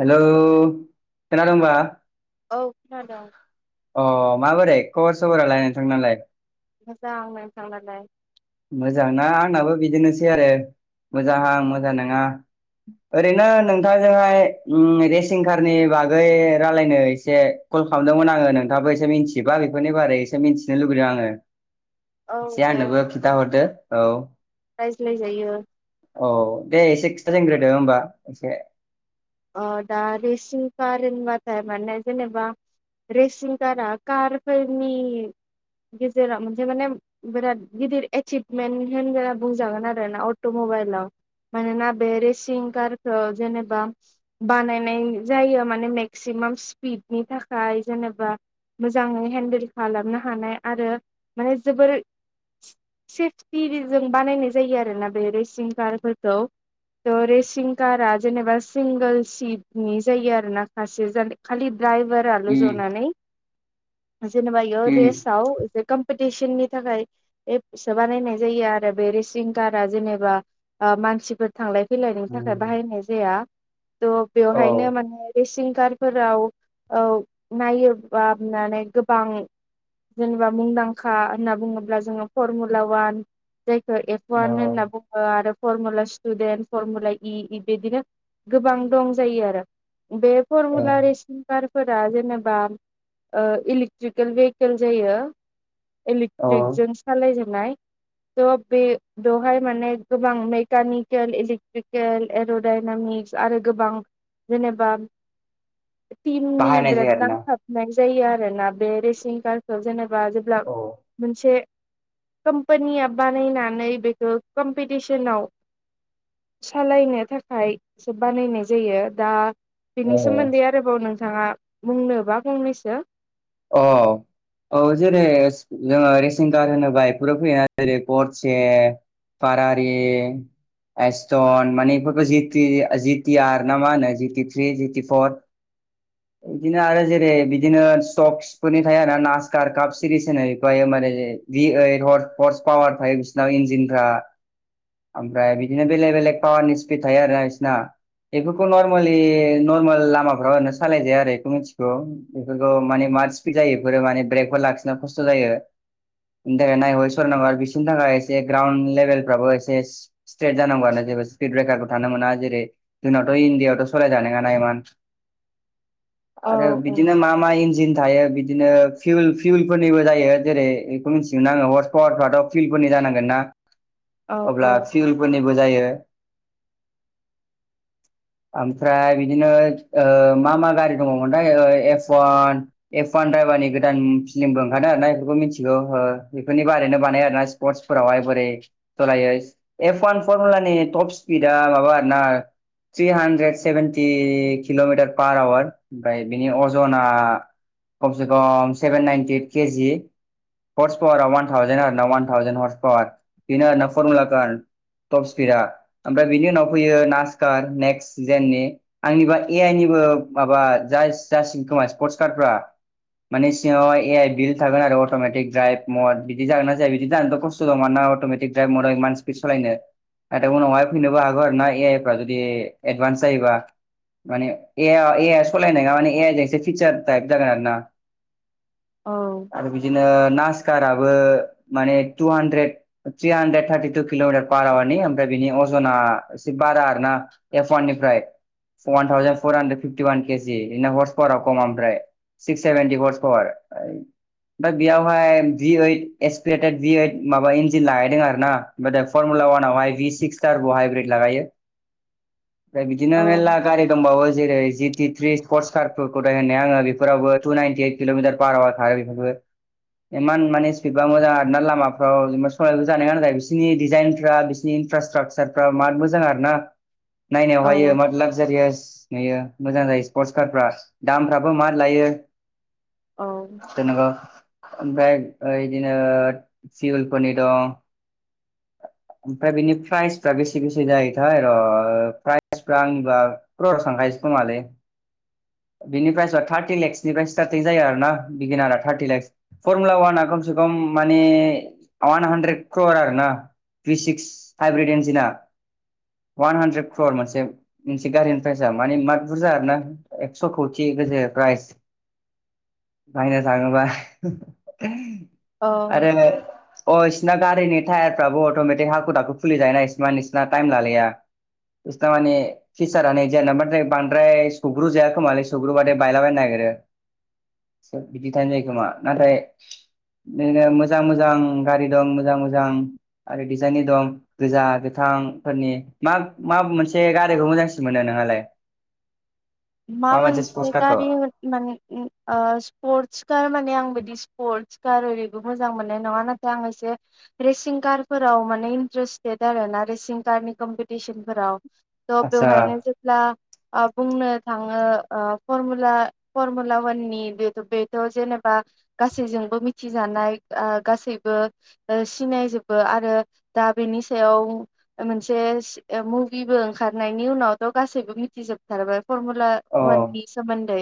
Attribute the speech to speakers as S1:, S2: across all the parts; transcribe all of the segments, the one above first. S1: Hello खोनादों बा
S2: औ खोनादों।
S1: अ माबोरै खबर सबरालाय नोंथां नालाय?
S2: मोजां नों थांनायलाय?
S1: मोजांना आंनाबो बिदिनोसै आरो मोजाहां मोजां नोङा। ओरैनो नोंथांजोंहाय उम रेसिं कारनि बागै रालायनो एसे कल खालामदोंमोन आङो नोंथाङाबो एसे मिथिबा बेफोरनि बारै एसे मिन्थिनो लुुबैदों आङो।
S2: औ
S1: से
S2: दे
S1: आंनोबो खि दा हरदो औ
S2: रायज्लायजायो
S1: औ दे एस [unintelligible] होनग्रोदो होमबा एसे
S2: अ दा रेसिं कार होनबाथाय माने जेनेबा रेसिं कारा कारफोरनि गेजेराव मोनसे माने बिराद गिदिर एसिभमेन्ट होनगना बुंजागोन आरोना अट'म वेलाव मानोना बे रेसिं खार खौ जेनेबा बानायनाय जायो माने मेक्सिमाम स्पिडनि थाखाय जेनेबा मोजाङै हेन्देल खालामनो हानाय आरो माने जोबोर सेफटिरिजों बानायनाय जायो आरोना बे रेसिं कारफोरखौ दो रेसिं कारा जेनेबास सिंगोल सिटनि जायो आरोना खासे खालि दड्राइभाराल'
S1: उम
S2: ज'नानै। जेनेबा इयो
S1: उम
S2: रेसाव कमप थेसन नि थाखाय एब सोबानायनाय जायो आरो बे रेसिं कार्ड आ जेनेबा ओ मा सिफोर थांलाय फैलायनि थाखाय
S1: उम
S2: बाहायनाय जाया। तह
S1: औ
S2: बेवहायनो माने रेसिं कार फोराव औ नायोबानानै गोबां जेनेबा मुंदांखा होनना बुङोब्ला जोङो फरमुला वान जायखौ एफ
S1: औ
S2: वान होनना बुङो आरो फरमुला स्टुदेन्ट फरमुला इ इबिदिनो गोबां दं जायो आरो बे
S1: ए
S2: फरमुला रेसिन कारफोरा जेनेबा ओ इलेक्ट्रिकेल भेहिकेल जायो
S1: औ
S2: इलेक्ट्रिकजों सालाय जा नाय थ' बे बेवहाय माने गोबां मेकानिकेल, इलेक्ट्रिकेल, एर'डाइनामिक्स आरो गोबां जेनेबा टिमनि
S1: बाहायनाय जायो
S2: बिराद
S1: आरोना
S2: नांथाबनाय जायो आरो ना बे रेसिं कारखौ जेनेब बा जेब्ला
S1: औ
S2: मोनसे कम्पानिया बानायनानै बेखौ कम्पिटिसनाव सालायनो थाखाय सो बानायनाय जायो दा बेनि
S1: ओ
S2: सोमोन्दै आरोबाव नों थाङा बुंनोबा बुंनैसो
S1: अ औ जेरै जोङो रेसिं कार होनोबा इफोराव फैयोना जेरै परसे फारारि एस्टन माने बेफोरखौ जिटि- जिटि आर ना मा होनो जिटि थ्रि जिटि फर बिदिनो आरो जेरै बिदिनो टक्स फोरनि थायो ना नासकार काप सिरिस होनो ओमफाय माने दि ए हर्स हर्स पावार थायो। बिसोरनाव इन्जिनफ्रा ओमफ्राय बिदिनो बेलेग बेलेग पावारनि स्पिड थायो आरो इसिना। बेफोरखौ नर्मेलि नर्मेल लामाफ्राव ओरैनो सालायजाया आरो बेखौ मिथिगौ बेफोरखौ माने मार स्पिड जायो बेफोरो माने ब्रेकफोर लाखिनो खस्थ' जायो। बेनि थाखायनो नाय सर नाम्बार बिसोरनि थाखाय एसे ग्राउन्ड लेभेलफ्राबो एसे स्ट्रेट जानांगौ आनो। जेबो स्पिड ब्रेकार खौ थानो मोना जेरै जोंनावथ' इण्डियाआवथ' सालायजानाय नङाना इमान।
S2: औ
S1: आरो
S2: औ
S1: बिदिनो मा मा इन्जिन ए बिदिनो फिउल फिउलफोरनिबो जायो जेरै इखौ मिथिगोन आङो हर्स पावारफ्राथ' फिउलफोरनि जानांगोन ना।
S2: औ औ
S1: अब्ला फिउलफोरनिबो जायो। ओमफ्राय बिदिनो ओ मा मा गारि दङमोनथाय एफवान। एफवान द्राइभानि गोदान फिलि्मबो ओंखारो आरोना बेफोरखौ मिथिगौ बेफोरनि बारैनो बानाय आरोना स्पर्टस। फोरावहाय बोरै सालायो एफ अवान फरमुलानि टप स्पिडआ माबा आरोना। Three hundred seventy kilometre per hour ओमफ्राय बिनि अजना कमसेकम seven ninety eight KG horse power one thousand आरो ना वान थाावजेन हर्स पावार इनो न फरमुलाफ्रा टप स्पिडआ ओमफ्राय बिनि उनाव फैयो नासकार नेक्स्ट जेननि आंनिबा ए आइ नि बोमाबा जासिगोन खोमा स्पर्टस कार्डफ्रा। मानिे सिङाव ए आइ बिल थागोन आरो अट'मेटिक द्राइभ मद बिदि जागोन ना जाया बिदि जानोाथ' खस्थ' दं मानोना अट। मिटिक द्राइभफोरखौ इमान स्पिड सालायनो। नथाय उनावहाय फैनोबो हागौ आरोना ए आइफ्रा जदि एडभान्स जायोबा। माने ए एआ सालायनाय नङा माने ए आइ जों एसे फिसार टाइप जागोन आरो।
S2: औ
S1: ना बिदिनो नास टाराबोमाने तु हानद्रेद थ्रिट किल'मिटार पार आवार फ्राय बिनि अजना एसे बारा आरो ना एफान निफ्राय। One thousand four hundred fifty one KG in horse पावाराव खम ओमफ्राय। सिक्स सेभन्टिस पार। ओमफ्राय बेयावहाय डिओइट एसपलेटेड डि ओइट माबा इन्जिन लागायदों आरोना ओमफ्राय दा फरमुला ला अववनावहाय डि सिक्सटार ब हाइब्रिद लागायो। ओमफ्राय बिदिनो मेर्ला
S2: औ
S1: गारि दंबावो जेरै जि टि थ्रि स्पर्टस कारफोरखौ दाय होननाय आङो बेफोर। फोरावबो तुनाइटि एइड कल'मिटार पार थायो बिफोरबो। इमान माने स्पिडबा मोजां आरोना लामाफ्राव जेनेबा सलायबो जानाय नोङा बिसिनि डिजाइनफ्रा बिसिरनि इनफ्रास्ट्राकसारफ्रा मार मोजां आरोना। नायनायाव हायो मा लाक्जारियास नुयो मोजां जायो स्पर्टस कारफ्रा दामफ्राबो मा लायो
S2: औ
S1: जेनेबा ओमफ्राय ओ इदिनो सिउलफोरनि दं। [inaudible] ओमफ्राय बिनि प्राइसफ्रा बेसे बेसे जायोथाय र' प्राइसफ्रा आंनिबा क्रर' थांखायो। खोमालै बिनिफ्रायसआ थार्टि लेक्सनिफ्राय स्टार्टिं जायो आरोना बिगिनारा थार्टि लेक्स फरमुला वाना कम। खम मानि वान हान्ड्रेड क्रर'आरो ना। थ्रि सिक्स हाइब्रिड एन्जिना। अवान हानद्रेद क्रर मोनसे मोनसे गारिनि प्राइसाआ माने मा बुरजा आरो ना। एकस' खौथि गजो प्राइज बायनो थाङोबा
S2: औ
S1: आरो नो अ इसिरना गारिनि टायारफ्राबो अट'मेटिक हाखु दाखु खुलि जाय ना इसिमा नोंसिना टाइम लालाया। थारमाने फिसारानो जेनना बाथाय बांद्राय स ग्रु जायाखोमाल सग्रु बादे बायलाबायनो नागिरो। बिदि थानो जायोै खोमा नाथाय बिदिनो मोजां मोजां गारि दं मोजां मोजां आरो डिजाइननि दं गोजा गोथां। बिफां फोरनि मा-मा मोनसे गारिखौ मोजांसिन मोनो नोंहालाय?
S2: मा मोनसे गारि माने ओ स्पर्टस गार माने आं बिदि स्पर्टस कार ओरैबो मोजां मोननाय नङा नाथाय आं एसे रेसिं कारफोराव माने इन्टारेस्टेद आरो ना रेसिं कार नि कम्पिटिसन फोराव। त
S1: आदसा
S2: बेवहायनो जेब्ला आं बुंनो [unintelligible] मिथिजानाय आ गासैबो सिनायजोबो आरो दा बेनि सायाव मोनसे ओ मुभिबो ओंखारनायनि उनावथ' गासैबो मिथिजोबथारबाय। फरमुला
S1: अ
S2: अवाननि सोमोन्दै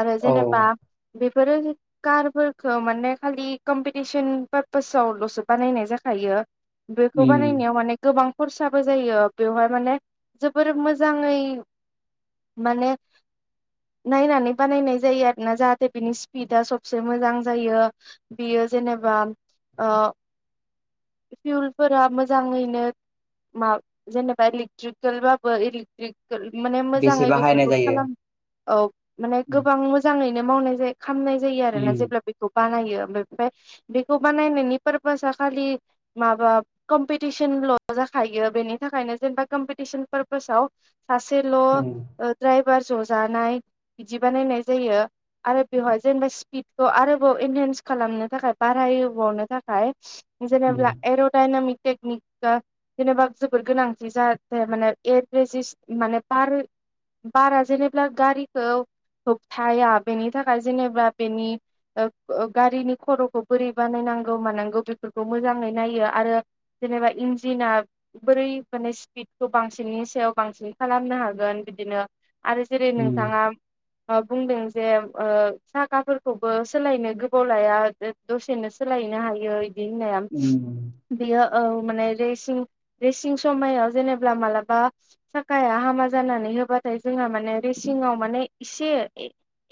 S2: आरो
S1: औ
S2: जेनेबा बेफोरो कारफोरखो माने खालि कम्पिटिसन पारपसावल'सो बानायनाय जाखायो बेखौ
S1: उम
S2: बानायनायाव माने गोबां खरसाबो जायो बेवहाय माने जोबोर मोजाङै माने नायनानै बानायनाय जायो आरोना जाहाथे बिनि स्पिदा सबसे मोजां जायो बेयो जेनेबा ओ फिउल फोरा मोजाङैनो मा जेनेबा इलेक्ट्रिकेलबाबो इलेट्रिकेल माने
S1: बेसे
S2: मोजाङै
S1: बाहायनाय
S2: बेफोरखौ
S1: जायो
S2: खालाम औ माने
S1: उम
S2: गोबां मोजाङैनो मावनाय जायो खामनाय जायो आरो ना जेब्ला बेखौ बानायो ओमफाय [unintelligible] बेखौ बानायनायनि पारपोसा खालि माबा कम्पिटिसनल' जा खायो बेनि थाखायनो जेनेबा कम्पिटिसन पारपसाव सासेल'
S1: उम
S2: ड्रायभार ज' जानाय बिदि बानायनाय जायो आरो बेवहाय जेनेबा स्पिडखौ आरोबाव इनहेन्स खालामनो थाखाय बारायबावनो थाखाय
S1: उम
S2: जेनेब्ला एर'डाइनामिक टेकनिक जेनेबा जोबोद गोनांथि जाहाथे माने एभेजिस माने पार बारा जेनेबा गारिखौ होबथाया बेनि थाखाय जेनेबा बेनि ओ ओ गारिनि खर'खौ बोरै बानायनांगौ मानांगौ बेफोरखौ मोजाङै नायो आरो जेनेबा इन्जिना बोरै माने स्पिडखौ बांसिननि सायाव बांसिन खालामनो हागोन बिदिनो आरो जेरै
S1: उम
S2: नोंथाङा बुंदों जे ओ साखाफोरखौबो सोलायनो गोबाव लाया दसेनो सोलाय नो हायो इदि होननाया
S1: उम
S2: बियो औ माने रेसिं रेसिं समायाव जेनेबा मालाबा साखाया हामा जानानै हो बाथाय जोंहा माने रेसिंआव माने एसे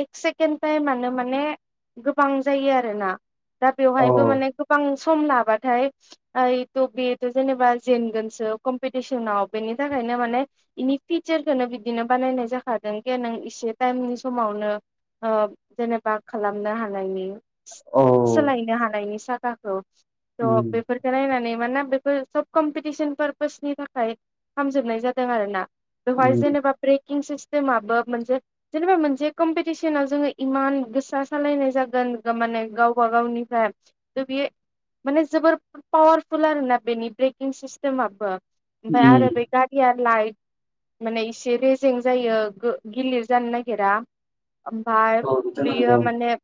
S2: एक सेकेड टाइमानो माने गोबां जायो आरोना दा
S1: औ
S2: बेवहायबो माने गोबां सम ला बाथाय ओय थ' बेथ' जेनेबा जेनगोनसो कम्पिटिसनाव बेनि थाखायनो माने बेनि फिचारखौनो बिदिनो बानायनाय जाखादों जे नों इसे टाइमनि समावनो ओ जेनेबा खालामनो हानायनि
S1: औ
S2: सोलायनो हानायनि साखाखौ थह
S1: उम
S2: बेफोरखौ नायनानै मानोना बे फोर सब कम्पिटिसन पार्पोसनि थाखाय खामजोबनाय जादों आरोना बेवहाय
S1: उम
S2: जेनेबा किं सिस्टेमाबो मोनसे जेनेबा मोनसे कम्पिटिसनाव जोङो इमान गोसा सालायनाय जागो न गो माने गावबा गावनिफाय थ बे माने जोबोर पावारफुल आरोना बेनि ब्रेकिं सिस्टेमाबो ओमफाय
S1: उम
S2: आरो बे गारिया लाइट माने इसे रे जें जायो गो- गिलिर जानो नागिरा ओमफाय
S1: औ बेथ' नंगौ
S2: बियो माने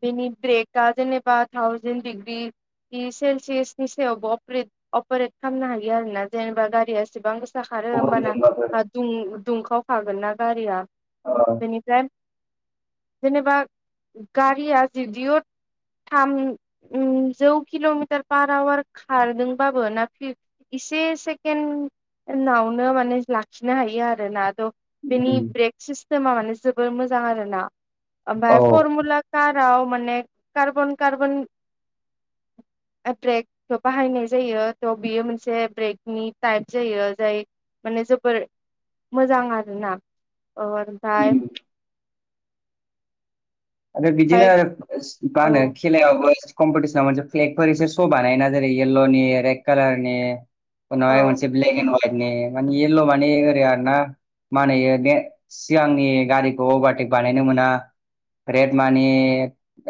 S2: बेनि ब्रेकआ जेनेबा थावजेन दिग्रि इ सेलसियासनि सायावबोे अपरेड अपारेट खालामनो हायो आरो ना जेनेबा गारिया एसेबां गो सा खारो होमबाना
S1: गरमजोंबाबो
S2: दुं- दुंखावखागोन ना गारिया
S1: औ
S2: बेनिफ्राय जेनेबा गारि आ जुदिअ थाम उम जौ किल'मिटार पार आवार खारदोंबाबो ना से सेकेण नावनो माने लाखिनो हायो आरो रोना थ' बिनि
S1: उम
S2: ब्रेक सिस्टेमा माने जोबोर मोजां आरोना
S1: औ
S2: ओमफाय फरमुला काराव माने कार्बन कार्बन
S1: [inaudible]
S2: ब्रेकखौ बाहायनाय जायो। थ' बेयो मोनसे ब्रेकनि टाइप जायो जाय माने जोबोर मोजां आरोना ओ ओमफाय
S1: उम आरो बिदिनो आरो मा होनो खेलायाव कम्पिटिसनाव मोनसे फ्लेगफोर एसे श' बानायोना जेरै येल्ल' नि रेड कालार नि उनावहाय
S2: औ
S1: मोनसे ब्लेक एन्ड हवाइटनि माने येल्ल' माने ओरै आर ना? मा होनो बे सिगांनि गारिखौ अभारटेक बानायनो मोना। रेड मानि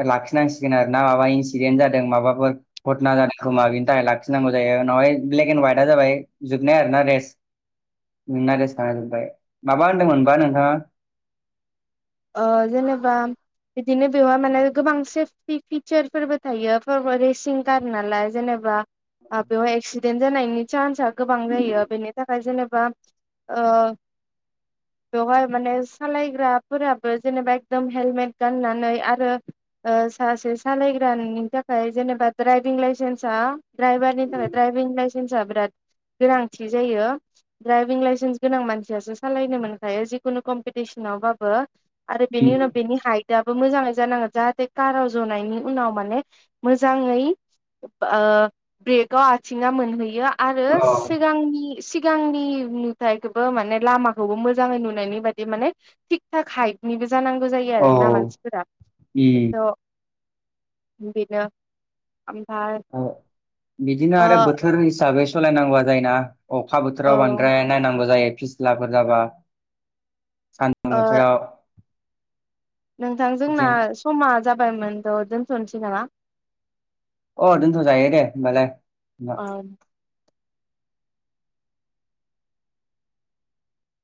S1: लाखिनांसिगोन आरोना माबा इन्सिडेन्ट जादों माबाफोर घटना जादों। खोमा बेिनि थाखाय लाखिनांगौ जायो उनावहाय ब्लेक एन्ड हाइटआ जाबाय जोबनाय आर ना रेस। नोंना रेस थजोब्बाय माबा होनदोंमोनबा नोंथाङा
S2: ओ जेनेबा बिदिनो बेवहाय माने गोबां सेफटि फिचारफोरबो थायो रेसिं कार नालाय जेनेबा बेवहाय एक्सिडेन्ट जानायनि चान्सआ गोबां जायो बेनि थाखाय जेनेबा ओ बेवहाय माने सालायग्रा फोराबो जेनेबा एकदम हेलमेट गाननानै आरो ओ सासे सालायग्रानि थाखाय जेनेबा दड्राइभिं लाइसेन्सा ड्राइभारनि थाखाय ड्राइभिं लाइसेन्स बिराद गोनांथि जायो। द्राइभिं लाइसेन्स गोनां मानसियासो सालायनो मोनखायो जिखुनु कम्पिटिसनावबाबो बो आरो बेनि उनाव बेनि हाइट दाबो मोजाङै जानांगोन। जाहाथे काराव जनायनि उनाव माने मोजाङै ओ ब्रेकआव आथिङा मोनहैयो। आरो
S1: अ
S2: सिगांनि सिगांनि नुथायखौबो माने लामाखौबो मोजाङै नुनायनि बादि माने थिग हाइटनिबो जानांगौ जायो
S1: औ
S2: आरोना मानसिफोरा।
S1: उम
S2: थ' बेनो। ओमफ्राय
S1: औ बिदिनो
S2: ओ
S1: आरो बोथोर हिसाबै सालायनांगौआ जायो ना? अखा
S2: औ
S1: बोथोराव बांद्राय नायनांगौ जायो फिस्लाफोर जाबा सानदुं
S2: ओ
S1: बोथोराव।
S2: नोंथां जोंना
S1: बिदि
S2: समा जाबायमोनथ' दोनथ'नोसै नामा?
S1: अ दोनथ' जायो। दे होमबालाय।